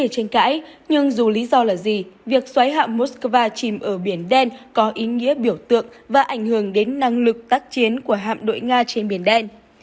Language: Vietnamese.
tù lý do là gì việc xoáy hạm moskva chìm ở biển đen có ý nghĩa biểu tượng và ảnh hưởng đến năng lực tác chiến của hạm đội nga trên biển đen